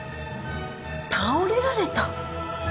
倒れられた？